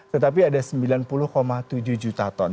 tetapi ada sembilan puluh tujuh juta ton